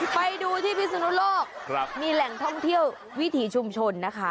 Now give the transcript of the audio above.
ไปดูที่พิศนุโลกมีแหล่งท่องเที่ยววิถีชุมชนนะคะ